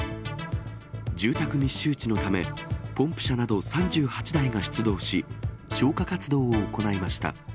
住宅密集地のため、ポンプ車など３８台が出動し、消火活動を行いました。